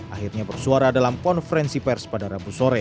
akhirnya bersuara dalam konferensi pers pada rabu sore